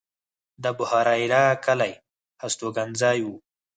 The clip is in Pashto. د ابوهریره کلی هستوګنځی و.